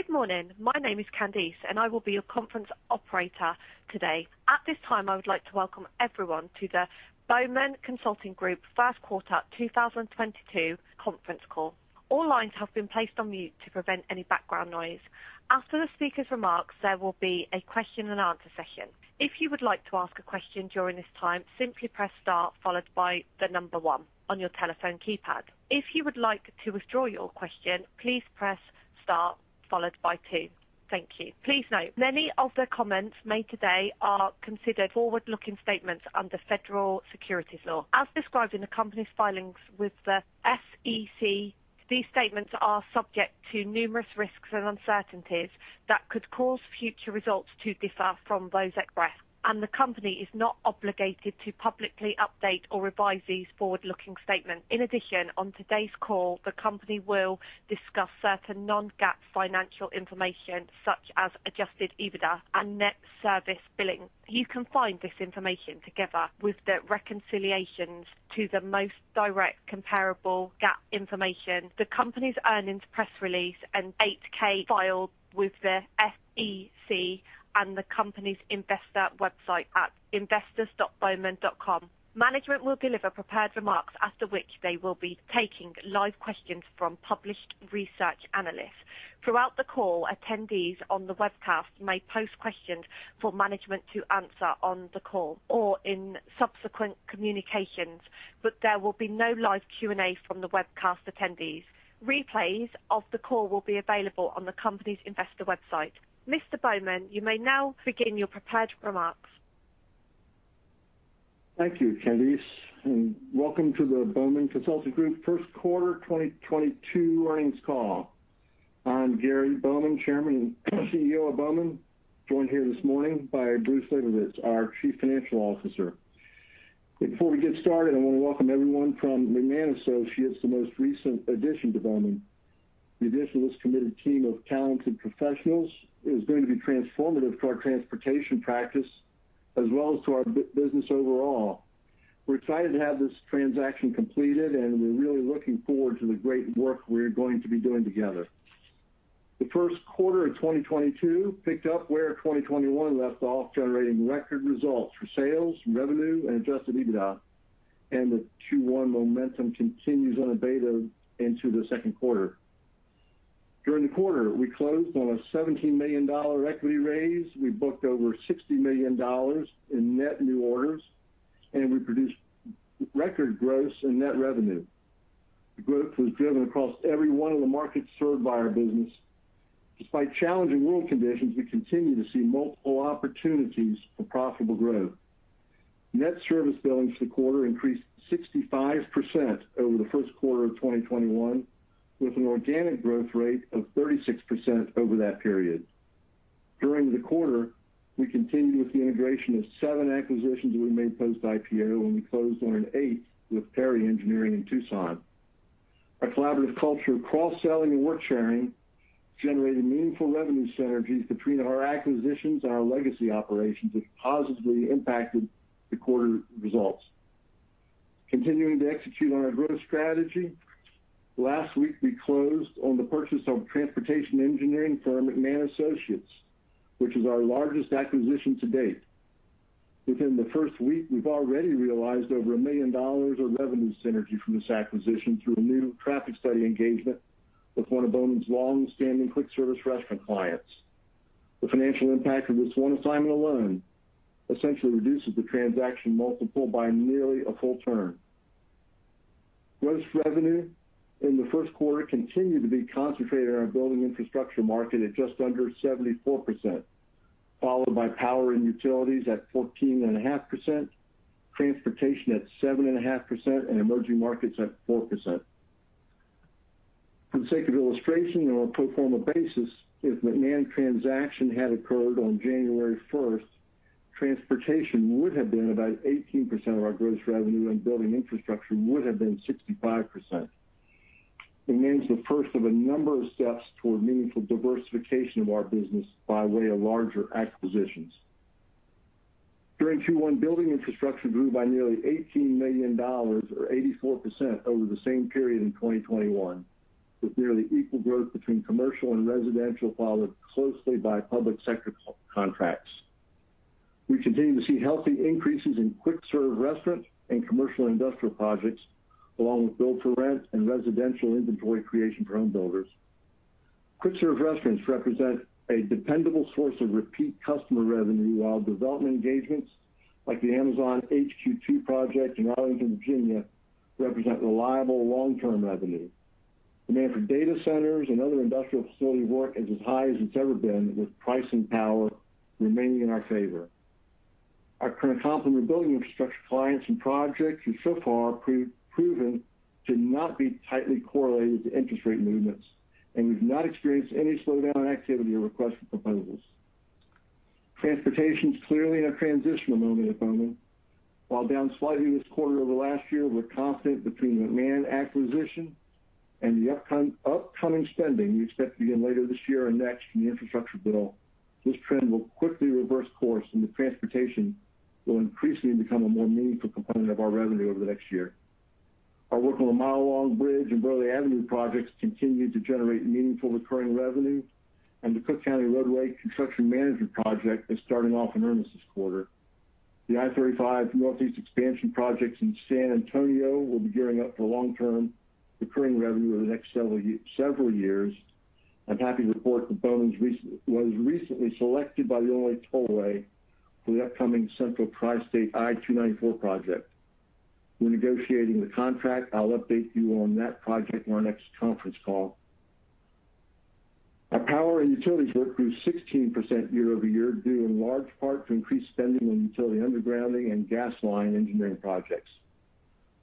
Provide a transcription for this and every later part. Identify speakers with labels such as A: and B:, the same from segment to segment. A: Good morning. My name is Candice, and I will be your conference operator today. At this time, I would like to welcome everyone to the Bowman Consulting Group first quarter 2022 conference call. All lines have been placed on mute to prevent any background noise. After the speaker's remarks, there will be a question and answer session. If you would like to ask a question during this time, simply press star followed by the number one on your telephone keypad. If you would like to withdraw your question, please press star followed by two. Thank you. Please note many of the comments made today are considered forward-looking statements under federal securities law. As described in the company's filings with the SEC, these statements are subject to numerous risks and uncertainties that could cause future results to differ from those expressed, and the company is not obligated to publicly update or revise these forward-looking statements. In addition, on today's call, the company will discuss certain non-GAAP financial information such as Adjusted EBITDA and net service billing. You can find this information together with the reconciliations to the most direct comparable GAAP information, the company's earnings press release and 8-K filed with the SEC and the company's investor website at investors.bowman.com. Management will deliver prepared remarks after which they will be taking live questions from published research analysts. Throughout the call, attendees on the webcast may post questions for management to answer on the call or in subsequent communications, but there will be no live Q&A from the webcast attendees. Replays of the call will be available on the company's investor website. Mr. Bowman, you may now begin your prepared remarks.
B: Thank you, Candice, and welcome to the Bowman Consulting Group first quarter 2022 earnings call. I'm Gary Bowman, Chairman and CEO of Bowman, joined here this morning by Bruce Labovitz, our Chief Financial Officer. Before we get started, I want to welcome everyone from McMahon Associates, the most recent addition to Bowman. The addition of this committed team of talented professionals is going to be transformative to our transportation practice as well as to our business overall. We're excited to have this transaction completed, and we're really looking forward to the great work we're going to be doing together. The first quarter of 2022 picked up where 2021 left off, generating record results for sales, revenue, and Adjusted EBITDA, and the Q1 momentum continues unabated into the second quarter. During the quarter, we closed on a $17 million equity raise. We booked over $60 million in net new orders, and we produced record gross and net revenue. The growth was driven across every one of the markets served by our business. Despite challenging world conditions, we continue to see multiple opportunities for profitable growth. Net Service Billings for the quarter increased 65% over the first quarter of 2021, with an organic growth rate of 36% over that period. During the quarter, we continued with the integration of seven acquisitions we made post IPO, and we closed on an 8th with Perry Engineering in Tucson. Our collaborative culture of cross-selling and work sharing generated meaningful revenue synergies between our acquisitions and our legacy operations, which positively impacted the quarter results. Continuing to execute on our growth strategy, last week we closed on the purchase of transportation engineering firm McMahon Associates, which is our largest acquisition to-date. Within the first week, we've already realized over $1 million of revenue synergy from this acquisition through a new traffic study engagement with one of Bowman's long-standing quick-service restaurant clients. The financial impact of this one assignment alone essentially reduces the transaction multiple by nearly a full turn. Gross revenue in the first quarter continued to be concentrated on building infrastructure market at just under 74%, followed by power and utilities at 14.5%, transportation at 7.5%, and emerging markets at 4%. For the sake of illustration on a pro forma basis, if McMahon transaction had occurred on January 1st, transportation would have been about 18% of our gross revenue, and building infrastructure would have been 65%. McMahon's the first of a number of steps toward meaningful diversification of our business by way of larger acquisitions. During Q1, building infrastructure grew by nearly $18 million or 84% over the same period in 2021, with nearly equal growth between commercial and residential, followed closely by public sector contracts. We continue to see healthy increases in quick-service restaurants and commercial industrial projects, along with build-for-rent and residential inventory creation for home builders. Quick-service restaurants represent a dependable source of repeat customer revenue, while development engagements like the Amazon HQ2 project in Arlington, Virginia, represent reliable long-term revenue. Demand for data centers and other industrial facility work is as high as it's ever been, with pricing power remaining in our favor. Our current complement of building infrastructure clients and projects have so far proven to not be tightly correlated to interest rate movements, and we've not experienced any slowdown in activity or requests for proposals. Transportation is clearly in a transitional moment at Bowman. While down slightly this quarter over last year with constant between McMahon acquisition and the upcoming spending we expect to begin later this year and next in the infrastructure bill, this trend will quickly reverse course, and the transportation will increasingly become a more meaningful component of our revenue over the next year. Our work on the Mile Long Bridge and Burleigh Avenue projects continue to generate meaningful recurring revenue, and the Cook County Roadway Construction Management project is starting off in earnest this quarter. The I-35 Northeast expansion projects in San Antonio will be gearing up for long-term recurring revenue over the next several years. I'm happy to report that Bowman was recently selected by the Illinois Tollway for the upcoming Central Tri-State I-294 project. We're negotiating the contract. I'll update you on that project on our next conference call. Our power and utilities work grew 16% year-over-year, due in large part to increased spending on utility undergrounding and gas line engineering projects.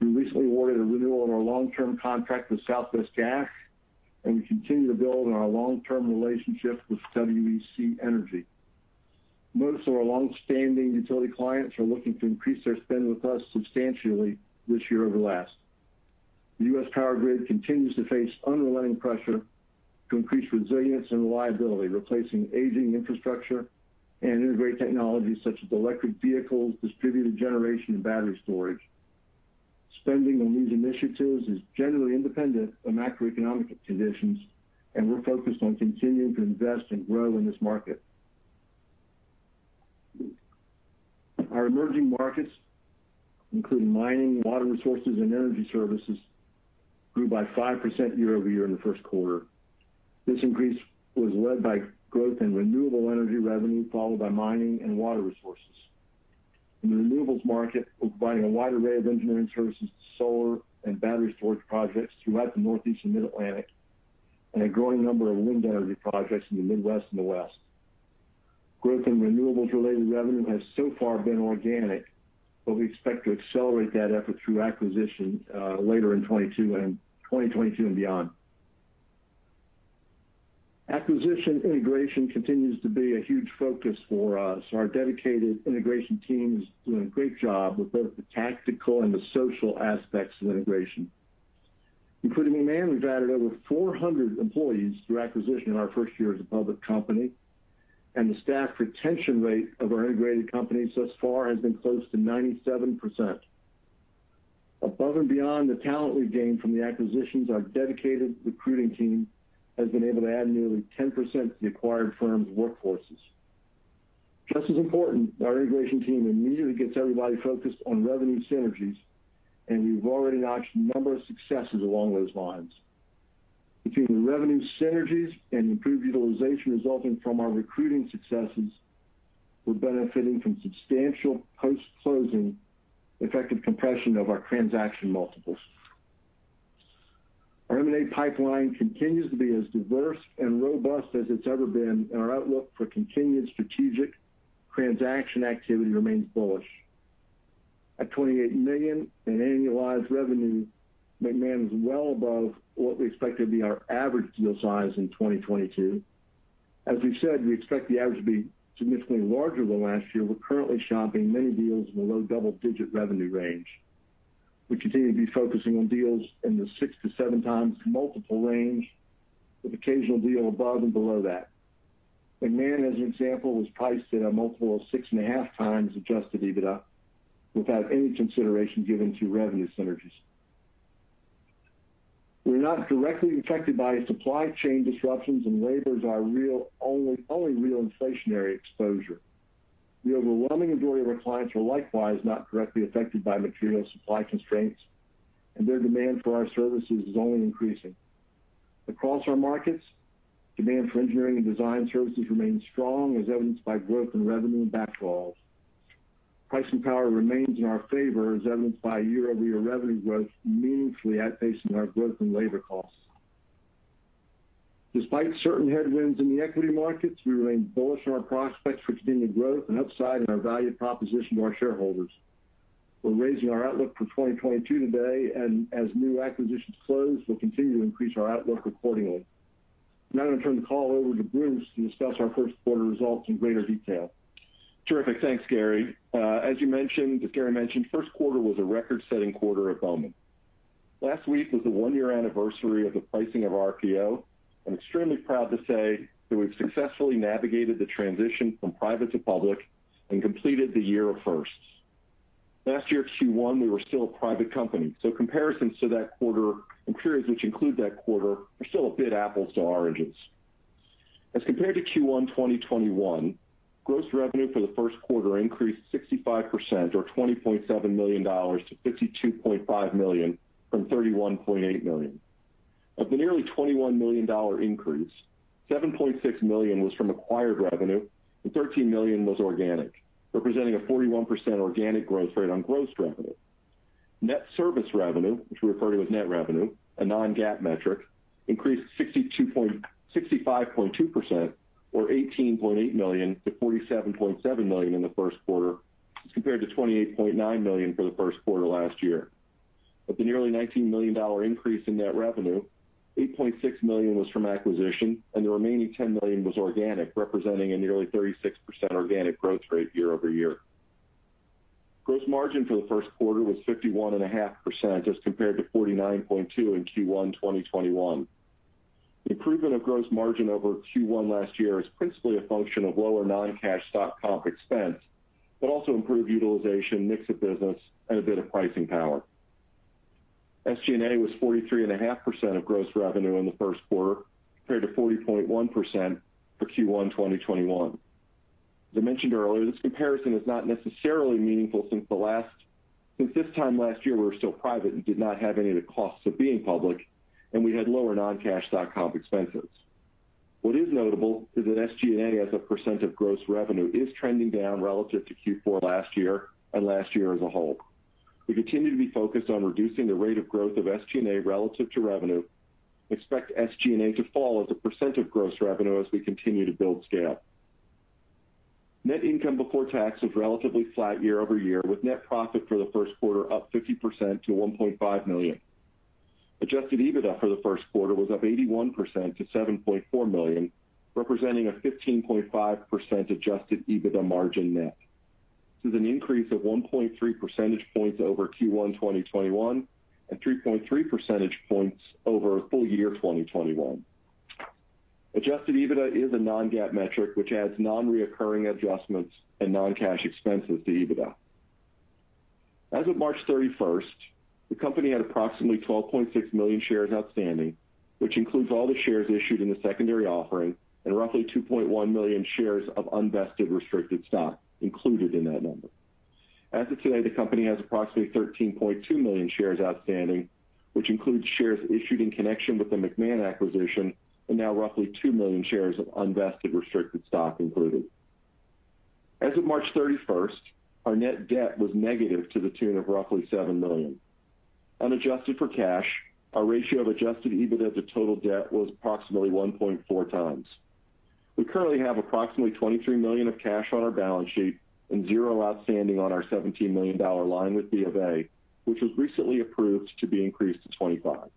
B: We recently awarded a renewal on our long-term contract with Southwest Gas, and we continue to build on our long-term relationship with WEC Energy Group. Most of our longstanding utility clients are looking to increase their spend with us substantially this year over last. The U.S. power grid continues to face unrelenting pressure to increase resilience and reliability, replacing aging infrastructure and integrate technologies such as electric vehicles, distributed generation, and battery storage. Spending on these initiatives is generally independent of macroeconomic conditions, and we're focused on continuing to invest and grow in this market. Our emerging markets, including mining, water resources, and energy services, grew by 5% year-over-year in the first quarter. This increase was led by growth in renewable energy revenue, followed by mining and water resources. In the renewables market, we're providing a wide array of engineering services to solar and battery storage projects throughout the Northeast and Mid-Atlantic, and a growing number of wind energy projects in the Midwest and the West. Growth in renewables-related revenue has so far been organic, but we expect to accelerate that effort through acquisition later in 2022 and beyond. Acquisition integration continues to be a huge focus for us. Our dedicated integration team is doing a great job with both the tactical and the social aspects of integration. Including McMahon, we've added over 400 employees through acquisition in our first year as a public company, and the staff retention rate of our integrated companies thus far has been close to 97%. Above and beyond the talent we've gained from the acquisitions, our dedicated recruiting team has been able to add nearly 10% to the acquired firms' workforces. Just as important, our integration team immediately gets everybody focused on revenue synergies, and we've already notched a number of successes along those lines. Between the revenue synergies and improved utilization resulting from our recruiting successes, we're benefiting from substantial post-closing effective compression of our transaction multiples. Our M&A pipeline continues to be as diverse and robust as it's ever been, and our outlook for continued strategic transaction activity remains bullish. At $28 million in annualized revenue, McMahon is well above what we expect to be our average deal size in 2022. As we've said, we expect the average to be significantly larger than last year. We're currently shopping many deals in the low double-digit revenue range. We continue to be focusing on deals in the 6x-7x multiple range with occasional deal above and below that. McMahon, as an example, was priced at a multiple of 6.5x Adjusted EBITDA without any consideration given to revenue synergies. We're not directly affected by supply chain disruptions, and labor is our only real inflationary exposure. The overwhelming majority of our clients are likewise not directly affected by material supply constraints, and their demand for our services is only increasing. Across our markets, demand for engineering and design services remains strong, as evidenced by growth in revenue and backlogs. Pricing power remains in our favor, as evidenced by year-over-year revenue growth meaningfully outpacing our growth in labor costs. Despite certain headwinds in the equity markets, we remain bullish on our prospects for continued growth and upside in our value proposition to our shareholders. We're raising our outlook for 2022 today, and as new acquisitions close, we'll continue to increase our outlook accordingly. Now I'm going to turn the call over to Bruce to discuss our first quarter results in greater detail.
C: Terrific. Thanks, Gary. As Gary mentioned, first quarter was a record-setting quarter at Bowman. Last week was the one-year anniversary of the pricing of our IPO. I'm extremely proud to say that we've successfully navigated the transition from private to public and completed the year of firsts. Last year, Q1, we were still a private company, so comparisons to that quarter and periods which include that quarter are still a bit apples to oranges. As compared to Q1 2021, gross revenue for the first quarter increased 65% or $20.7 million to $52.5 million from $31.8 million. Of the nearly $21 million increase, $7.6 million was from acquired revenue and $13 million was organic, representing a 41% organic growth rate on gross revenue. Net service revenue, which we refer to as net revenue, a non-GAAP metric, increased 65.2% or $18.8 million to $47.7 million in the first quarter as compared to $28.9 million for the first quarter last year. Of the nearly $19 million increase in net revenue, $8.6 million was from acquisition and the remaining $10 million was organic, representing a nearly 36% organic growth rate year-over-year. Gross margin for the first quarter was 51.5% as compared to 49.2% in Q1 2021. Improvement of gross margin over Q1 last year is principally a function of lower non-cash stock comp expense, but also improved utilization, mix of business, and a bit of pricing power. SG&A was 43.5% of gross revenue in the first quarter, compared to 40.1% for Q1 2021. As I mentioned earlier, this comparison is not necessarily meaningful since this time last year we were still private and did not have any of the costs of being public, and we had lower non-cash stock comp expenses. What is notable is that SG&A as a percent of gross revenue is trending down relative to Q4 last year and last year as a whole. We continue to be focused on reducing the rate of growth of SG&A relative to revenue. We expect SG&A to fall as a percent of gross revenue as we continue to build scale. Net income before tax was relatively flat year-over-year, with net profit for the first quarter up 50% to $1.5 million. Adjusted EBITDA for the first quarter was up 81% to $7.4 million, representing a 15.5% Adjusted EBITDA margin net. This is an increase of 1.3 percentage points over Q1 2021 and 3.3 percentage points over full year 2021. Adjusted EBITDA is a non-GAAP metric which adds non-recurring adjustments and non-cash expenses to EBITDA. As of March 31st, the company had approximately 12.6 million shares outstanding, which includes all the shares issued in the secondary offering and roughly 2.1 million shares of unvested restricted stock included in that number. As of today, the company has approximately 13.2 million shares outstanding, which includes shares issued in connection with the McMahon acquisition and now roughly 2 million shares of unvested restricted stock included. As of March 31st, our net debt was negative to the tune of roughly $7 million. Unadjusted for cash, our ratio of Adjusted EBITDA to total debt was approximately 1.4x. We currently have approximately $23 million of cash on our balance sheet and zero outstanding on our $17 million line with B of A, which was recently approved to be increased to $25 million.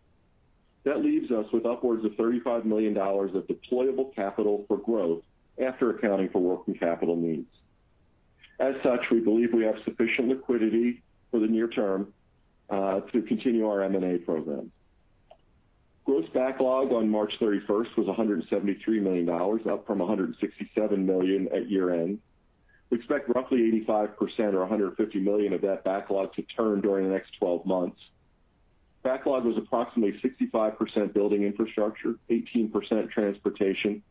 C: That leaves us with upwards of $35 million of deployable capital for growth after accounting for working capital needs. As such, we believe we have sufficient liquidity for the near term to continue our M&A program. Gross backlog on March 31st was $173 million, up from $167 million at year-end. We expect roughly 85% or $150 million of that backlog to turn during the next 12 months. Backlog was approximately 65% building infrastructure, 18% transportation,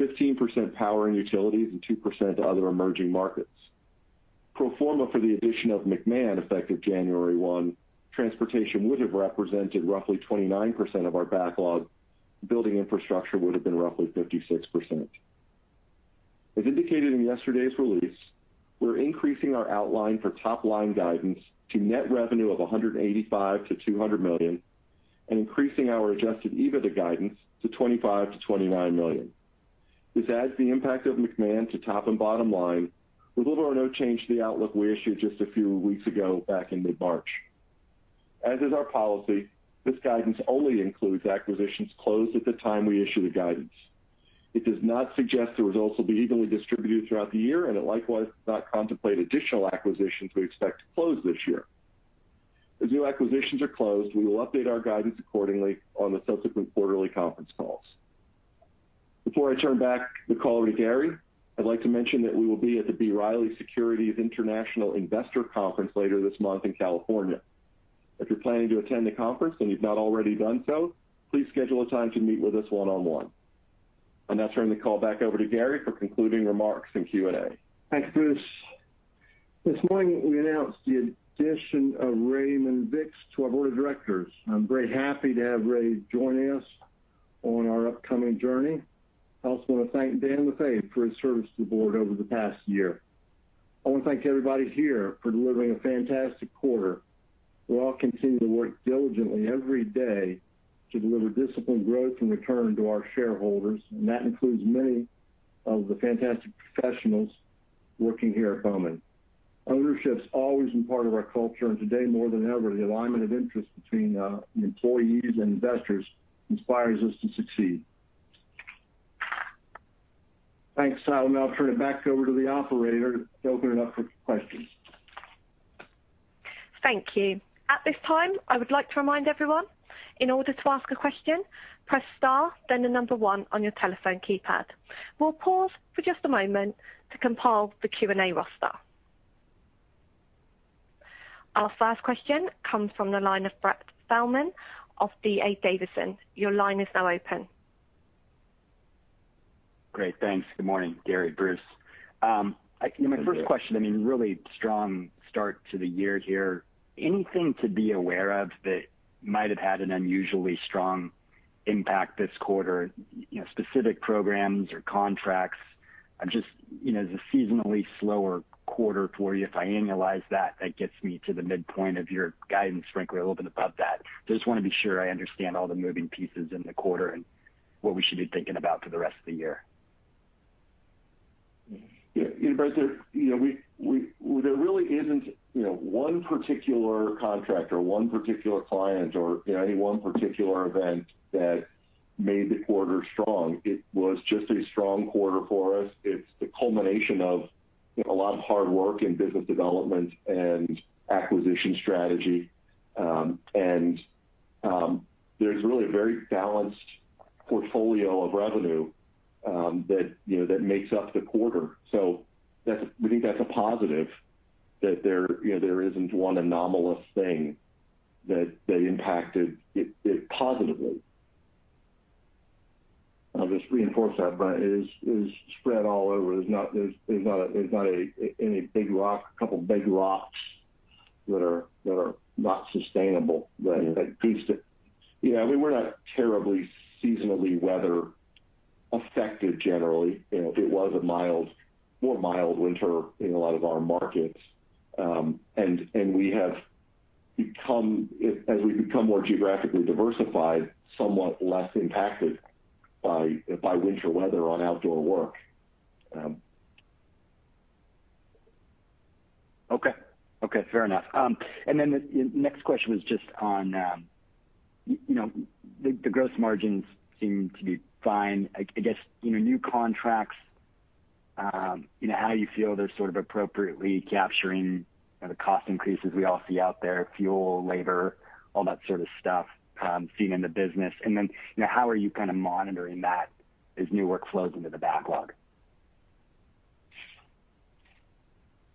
C: 15% power and utilities, and 2% other emerging markets. Pro forma for the addition of McMahon, effective January 1, transportation would have represented roughly 29% of our backlog. Building infrastructure would have been roughly 56%. As indicated in yesterday's release, we're increasing our outline for top-line guidance to net revenue of $185 million-$200 million and increasing our Adjusted EBITDA guidance to $25 million-$29 million. This adds the impact of McMahon to top and bottom line with little or no change to the outlook we issued just a few weeks ago back in mid-March. As is our policy, this guidance only includes acquisitions closed at the time we issue the guidance. It does not suggest the results will be evenly distributed throughout the year, and it likewise does not contemplate additional acquisitions we expect to close this year. As new acquisitions are closed, we will update our guidance accordingly on the subsequent quarterly conference calls. Before I turn back the call to Gary, I'd like to mention that we will be at the B. Riley Securities International Investor Conference later this month in California. If you're planning to attend the conference and you've not already done so, please schedule a time to meet with us one-on-one. I'll now turn the call back over to Gary for concluding remarks and Q&A.
B: Thanks, Bruce. This morning we announced the addition of Raymond Vicks to our board of directors. I'm very happy to have Ray joining us on our upcoming journey. I also want to thank Dan Lefaivre for his service to the board over the past year. I want to thank everybody here for delivering a fantastic quarter. We'll all continue to work diligently every day to deliver disciplined growth and return to our shareholders, and that includes many of the fantastic professionals working here at Bowman. Ownership's always been part of our culture, and today more than ever, the alignment of interest between employees and investors inspires us to succeed. Thanks. I will now turn it back over to the operator to open it up for questions.
A: Thank you. At this time, I would like to remind everyone, in order to ask a question, press star then the number one on your telephone keypad. We'll pause for just a moment to compile the Q&A roster. Our first question comes from the line of Brent Thielman of D.A. Davidson. Your line is now open.
D: Great. Thanks. Good morning, Gary, Bruce. Thank you. My first question, I mean, really strong start to the year here. Anything to be aware of that might have had an unusually strong impact this quarter, you know, specific programs or contracts? I'm just, you know, as a seasonally slower quarter for you, if I annualize that gets me to the midpoint of your guidance, frankly, a little bit above that. So I just wanna be sure I understand all the moving pieces in the quarter and what we should be thinking about for the rest of the year.
B: Yeah. You know, Brent, there really isn't, you know, one particular contract or one particular client or, you know, any one particular event that made the quarter strong. It was just a strong quarter for us. It's the culmination of a lot of hard work in business development and acquisition strategy. There's really a very balanced portfolio of revenue that, you know, that makes up the quarter. That's a positive that there, you know, there isn't one anomalous thing that impacted it positively. I'll just reinforce that, but it is spread all over. There's not any big rock, a couple big rocks that are not sustainable that boost it. You know, we were not terribly seasonally weather affected generally. You know, it was a mild, more mild winter in a lot of our markets. As we become more geographically diversified, somewhat less impacted by winter weather on outdoor work.
D: Okay. Okay, fair enough. The next question was just on, you know, the gross margins seem to be fine. I guess, you know, new contracts, you know, how you feel they're sort of appropriately capturing, you know, the cost increases we all see out there, fuel, labor, all that sort of stuff, feeding the business. You know, how are you kinda monitoring that as new work flows into the backlog?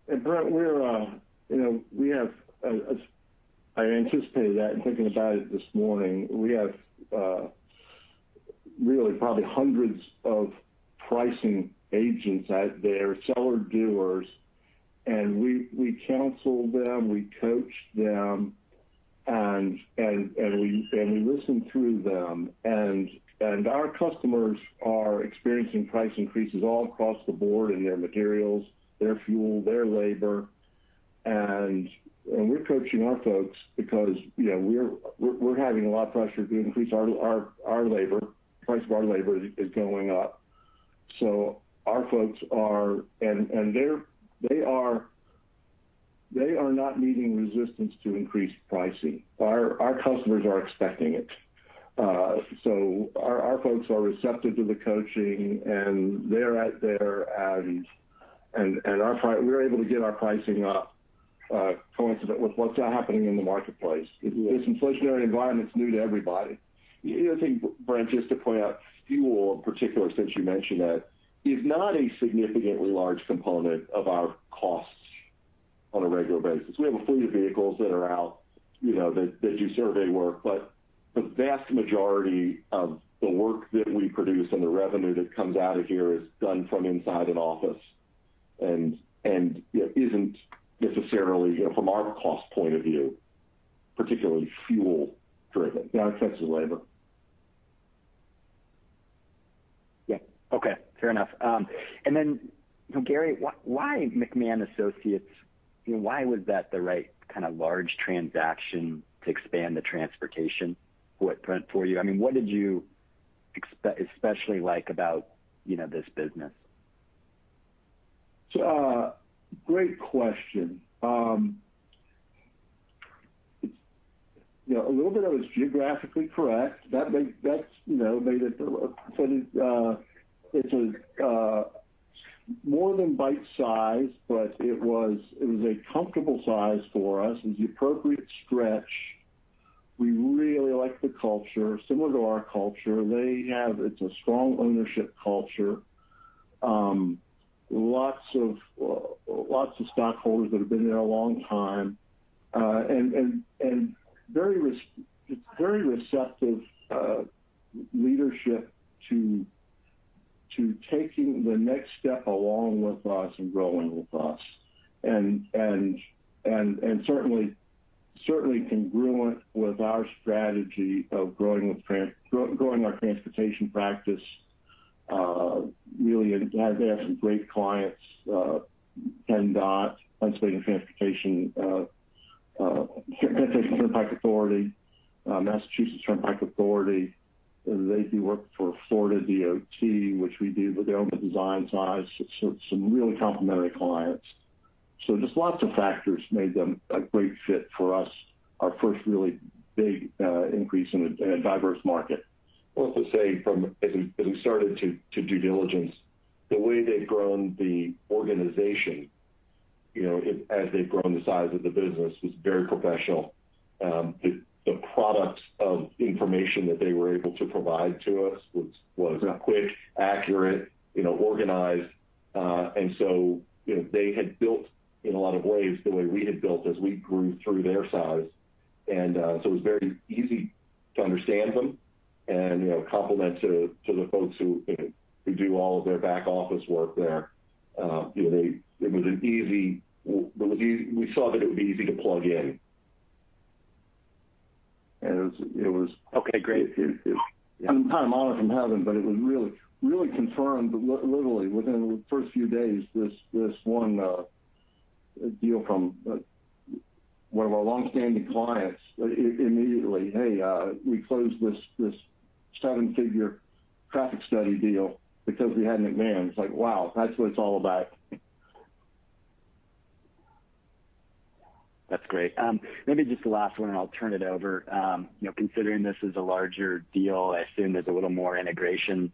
B: Brent, we're, you know, I anticipated that in thinking about it this morning. We have really probably hundreds of pricing agents out there, seller doers, and we counsel them, we coach them, and we listen through them. Our customers are experiencing price increases all across the board in their materials, their fuel, their labor. We're coaching our folks because, you know, we're having a lot of pressure to increase our labor price. Our labor price is going up. Our folks are not meeting resistance to increase pricing. Our customers are expecting it. Our folks are receptive to the coaching, and they're at their desks. We're able to get our pricing up, coincident with what's happening in the marketplace. This inflationary environment's new to everybody. The other thing, Brent, just to point out, fuel in particular, since you mentioned it, is not a significantly large component of our costs on a regular basis. We have a fleet of vehicles that are out, you know, that do survey work, but the vast majority of the work that we produce and the revenue that comes out of here is done from inside an office and, you know, isn't necessarily, you know, from our cost point of view, particularly fuel driven. Now expenses, labor.
D: Yeah. Okay. Fair enough. You know, Gary, why McMahon Associates? Why was that the right kinda large transaction to expand the transportation footprint for you? I mean, what did you especially like about, you know, this business?
B: Great question. It's, you know, a little bit of it is geographically correct. That's, you know, made it a, it's a more than bite size, but it was a comfortable size for us. It was the appropriate stretch. We really like the culture, similar to our culture. It's a strong ownership culture. Lots of stockholders that have been there a long time, and very receptive leadership to taking the next step along with us and growing with us. Certainly congruent with our strategy of growing our transportation practice, really. They have some great clients, PennDOT, Pennsylvania Turnpike Commission, Massachusetts Turnpike Authority. They do work for Florida DOT, which we do, but they own the design side. So some really complementary clients. So just lots of factors made them a great fit for us, our first really big increase in a diverse market. Also, as we started to do due diligence, the way they've grown the organization, you know, it as they've grown the size of the business, was very professional. The product of information that they were able to provide to us was quick, accurate, you know, organized. And so, you know, they had built in a lot of ways the way we had built as we grew through their size. So it was very easy to understand them and, you know, complement to the folks who do all of their back office work there. You know, we saw that it would be easy to plug in. It was.
D: Okay, great.
B: I'm kinda manna from heaven, but it was really confirmed literally within the first few days, this one deal from one of our long-standing clients immediately, "Hey, we closed this seven-figure traffic study deal because we had McMahon." It's like, wow, that's what it's all about.
D: That's great. Maybe just the last one, and I'll turn it over. You know, considering this is a larger deal, I assume there's a little more integration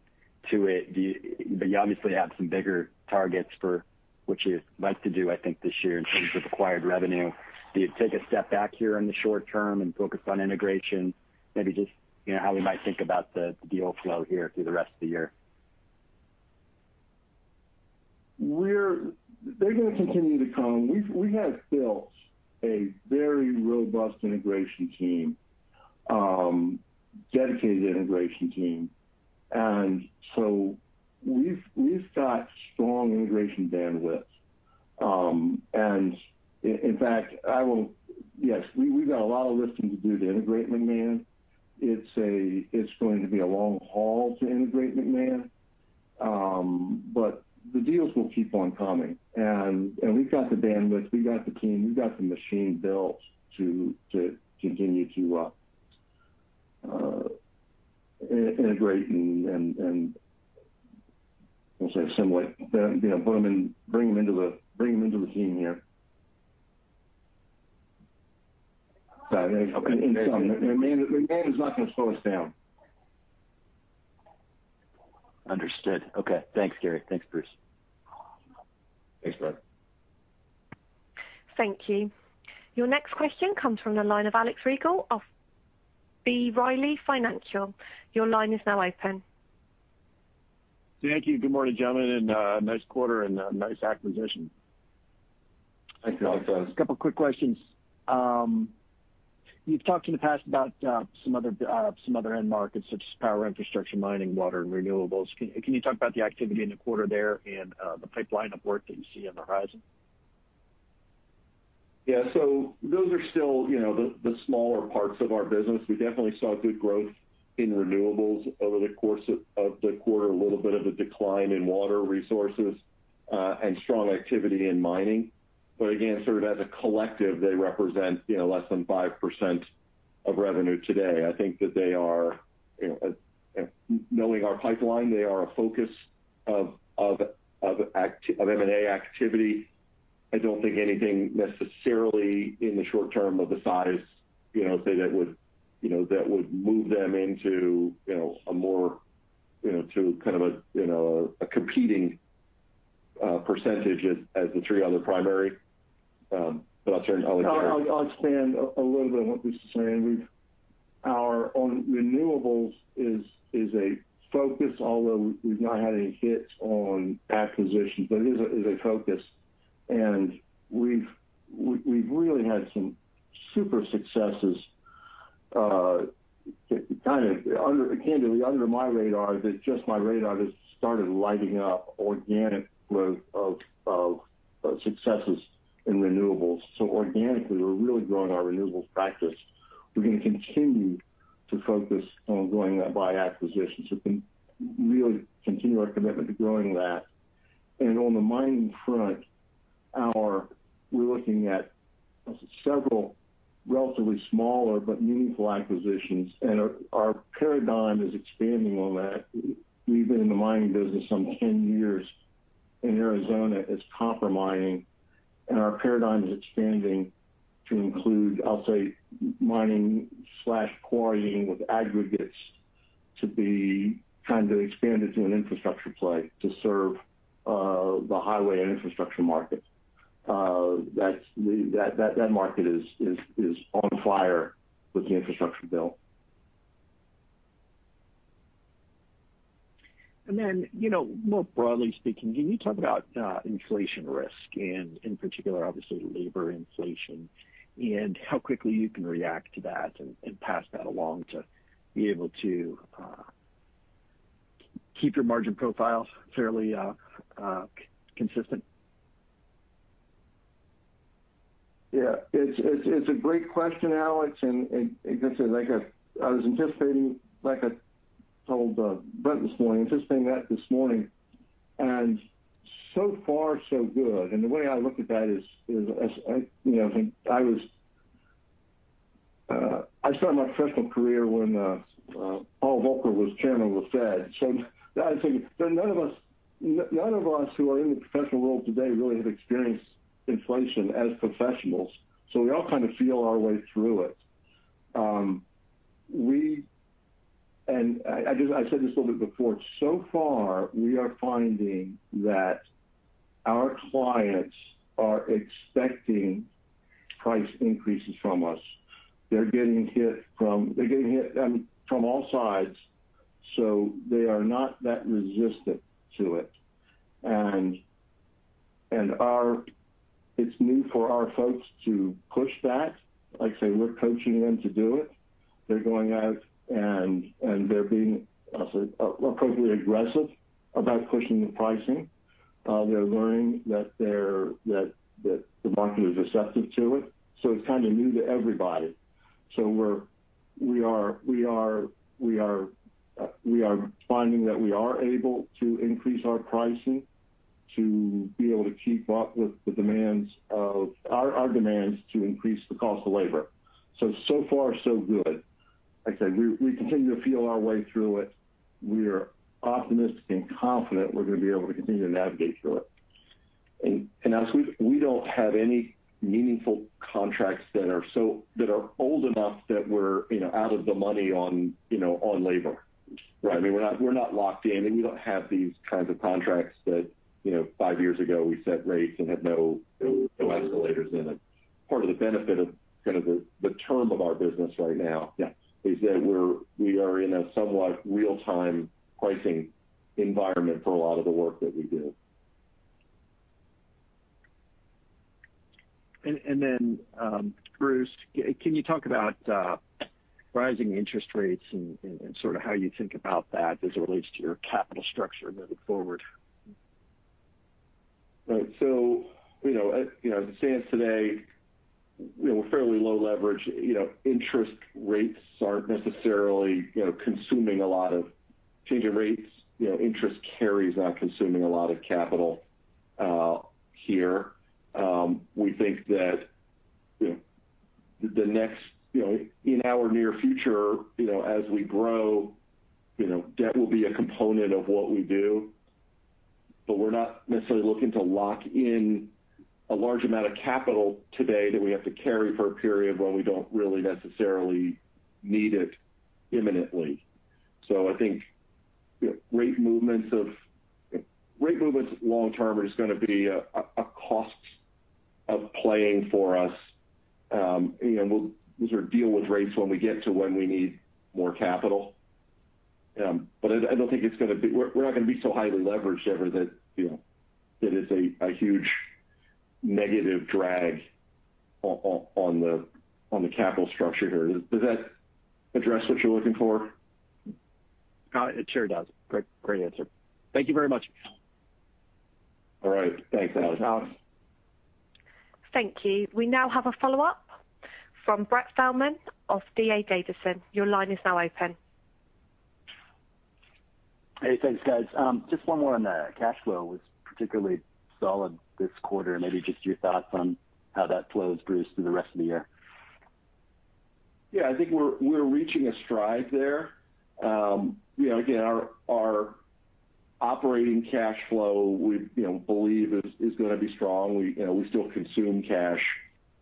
D: to it. You obviously have some bigger targets for which you'd like to do, I think, this year in terms of acquired revenue. Do you take a step back here in the short term and focus on integration? Maybe just, you know, how we might think about the deal flow here through the rest of the year.
B: They're gonna continue to come. We have built a very robust dedicated integration team. We've got strong integration bandwidth. We've got a lot of lifting to do to integrate McMahon. It's going to be a long haul to integrate McMahon. The deals will keep on coming. We've got the bandwidth, we've got the team, we've got the machine built to continue to integrate and also assimilate them. You know, bring them into the team here.
D: Got it. Okay.
B: In sum, McMahon is not gonna slow us down.
D: Understood. Okay. Thanks, Gary. Thanks, Bruce.
C: Thanks, Brent.
A: Thank you. Your next question comes from the line of Alex Rygiel of B. Riley Financial. Your line is now open.
E: Thank you. Good morning, gentlemen, and nice quarter and nice acquisition.
B: Thank you, Alex.
E: A couple quick questions. You've talked in the past about some other end markets such as power infrastructure, mining, water, and renewables. Can you talk about the activity in the quarter there and the pipeline of work that you see on the horizon?
F: Yeah. Those are still, you know, the smaller parts of our business. We definitely saw good growth in renewables over the course of the quarter, a little bit of a decline in water resources, and strong activity in mining. Again, sort of as a collective, they represent, you know, less than 5% of revenue today.
B: I think that they are, you know, knowing our pipeline, they are a focus of M&A activity. I don't think anything necessarily in the short term of the size, you know, say that would, you know, that would move them into, you know, a more, you know, to kind of a, you know, a competing percentage as the three other primary. I'll turn to Gary here. I'll expand a little bit on what Bruce is saying. On renewables is a focus, although we've not had any hits on acquisitions, but it is a focus. We've really had some super successes kind of under my radar, candidly. They just started lighting up my radar with organic growth of successes in renewables. Organically, we're really growing our renewables practice. We're gonna continue to focus on growing that by acquisition, so we've really continued our commitment to growing that. On the mining front, we're looking at several relatively smaller but meaningful acquisitions, and our paradigm is expanding on that.
F: We've been in the mining business some 10 years in Arizona. It's copper mining, and our paradigm is expanding to include, I'll say, mining/quarrying with aggregates kind of expand it to an infrastructure play to serve the highway and infrastructure market. That market is on fire with the infrastructure bill.
E: You know, more broadly speaking, can you talk about inflation risk and in particular, obviously, labor inflation, and how quickly you can react to that and pass that along to be able to keep your margin profile fairly consistent?
C: Yeah. It's a great question, Alex. Just like I was anticipating, like I told Brent this morning, anticipating that this morning. So far so good. The way I look at that is as I, you know. I started my professional career when Paul Volcker was chairman of the Fed. I think that none of us, none of us who are in the professional world today really have experienced inflation as professionals, we all kind of feel our way through it. I just said this a little bit before. So far, we are finding that our clients are expecting price increases from us. They're getting hit from all sides, so they are not that resistant to it.
B: It's new for our folks to push that. Like I say, we're coaching them to do it. They're going out and they're being, I'll say, appropriately aggressive about pushing the pricing. They're learning that the market is receptive to it, so it's kind of new to everybody. So we are finding that we are able to increase our pricing to be able to keep up with our demands to increase the cost of labor. So far so good. Like I said, we continue to feel our way through it. We are optimistic and confident we're gonna be able to continue to navigate through it. We don't have any meaningful contracts that are so, that are old enough that we're, you know, out of the money on, you know, on labor.
E: Right.
B: I mean, we're not locked in, and we don't have these kinds of contracts that, you know, five years ago we set rates and had no escalators in it. Part of the benefit of kind of the term of our business right now.
E: Yeah.
B: -is that we are in a somewhat real-time pricing environment for a lot of the work that we do.
E: Then, Bruce, can you talk about rising interest rates and sort of how you think about that as it relates to your capital structure moving forward?
C: Right. You know, as it stands today, you know, we're fairly low leverage. You know, interest rates aren't necessarily, you know, consuming a lot of change in rates. You know, interest carry is not consuming a lot of capital here. We think that, you know, the next, you know, in our near future, you know, as we grow, you know, debt will be a component of what we do, but we're not necessarily looking to lock in a large amount of capital today that we have to carry for a period when we don't really necessarily need it imminently. I think, you know, rate movements long term are just gonna be a cost of playing for us. We'll sort of deal with rates when we need more capital. I don't think it's gonna be so highly leveraged ever that, you know, it is a huge negative drag on the capital structure here. Does that address what you're looking for?
E: It sure does. Great answer. Thank you very much.
B: All right. Thanks, Alex.
C: Thanks, Alex.
A: Thank you. We now have a follow-up from Brent Thielman of D.A. Davidson. Your line is now open.
D: Hey, thanks, guys. Just one more on the cash flow. It was particularly solid this quarter. Maybe just your thoughts on how that flows, Bruce, through the rest of the year.
C: Yeah. I think we're reaching a stride there. You know, again, our operating cash flow we believe is gonna be strong. We still consume cash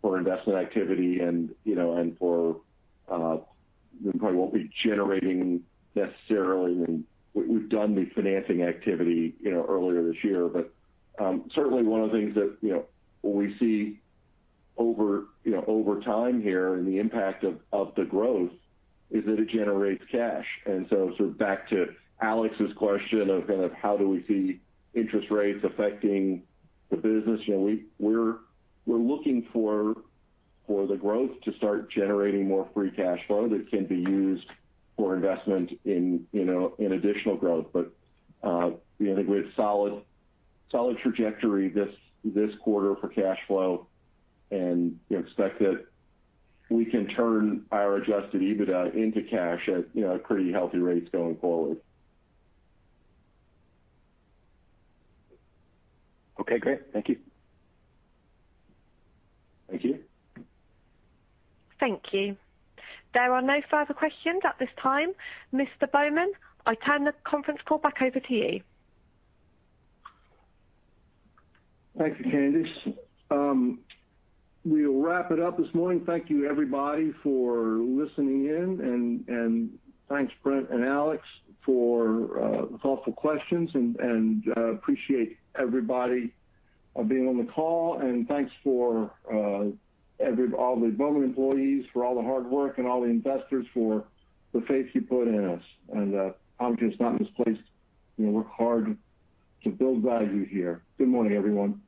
C: for investment activity and for we probably won't be generating necessarily. We've done the financing activity you know earlier this year. Certainly one of the things that you know we see over time here and the impact of the growth is that it generates cash. Sort of back to Alex's question of kind of how do we see interest rates affecting the business. You know, we're looking for the growth to start generating more free cash flow that can be used for investment in additional growth. You know, I think we have solid trajectory this quarter for cash flow and, you know, expect that we can turn our Adjusted EBITDA into cash at, you know, pretty healthy rates going forward.
D: Okay, great. Thank you.
B: Thank you.
A: Thank you. There are no further questions at this time. Mr. Bowman, I turn the conference call back over to you.
B: Thank you, Candice. We'll wrap it up this morning. Thank you everybody for listening in, and thanks, Brent and Alex, for thoughtful questions and appreciate everybody being on the call. Thanks to all the Bowman employees for all the hard work and all the investors for the faith you put in us. I'm just not complacent. You know, work hard to build value here. Good morning, everyone.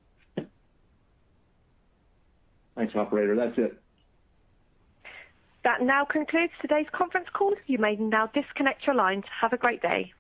B: Thanks, operator. That's it.
A: That now concludes today's conference call. You may now disconnect your lines. Have a great day.